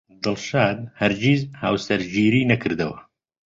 دڵشاد هەرگیز هاوسەرگیری نەکردەوە.